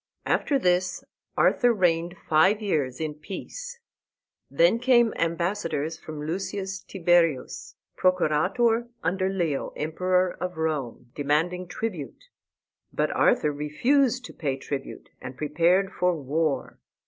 After this Arthur reigned five years in peace. Then came ambassadors from Lucius Tiberius, Procurator under Leo, Emperor of Rome, demanding tribute. But Arthur refused to pay tribute, and prepared for war.